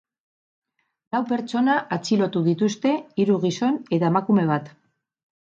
Lau pertsona atxilotu dituzte, hiru gizon eta emakume bat.